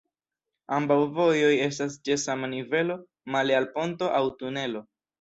Ambaŭ vojoj estas ĉe sama nivelo, male al ponto aŭ tunelo.